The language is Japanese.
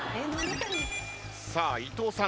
さあ伊藤さん